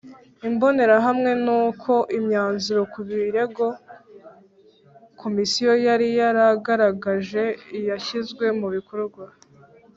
Imbonerahamwe n Uko imyanzuro ku birego Komisiyo yari yaragaragaje yashyizwe mu bikorwa